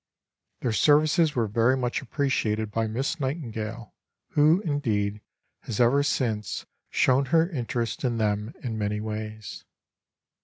Their services were very much appreciated by Miss Nightingale, who, indeed, has ever since shown her interest in them in many ways.